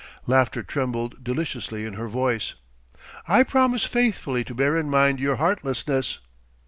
Laughter trembled deliciously in her voice: "I promise faithfully to bear in mind your heartlessness!"